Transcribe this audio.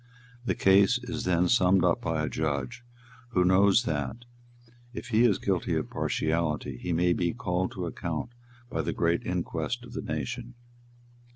The case is then summed up by a judge who knows that, if he is guilty of partiality, he may be called to account by the great inquest of the nation.